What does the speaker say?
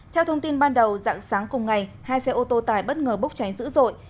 theo thông tin ban đầu dạng sáng cùng ngày hai xe ô tô tải bất ngờ bốc cháy dữ dội